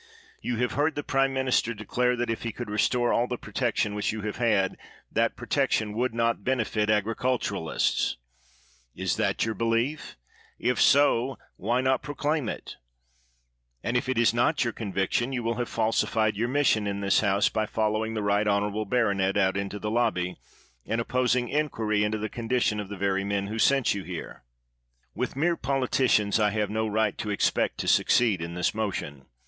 You have heard the prime minister declare that, if he could re store all the protection which you have had, that protection would not benefit agi'iculturists. Is that your belief? If so, why not proclaim 175 THE WORLD'S FAMOUS ORATIONS it? And if it is not your conviction, you "will have falsified your mission in this House by following the right honorable baronet out into the lobby, and opposing inquiry into the con dition of the very men who sent you here. "With mere politicians I have no right to ex pect to succeed in this motion.